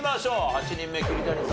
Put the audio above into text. ８人目桐谷さん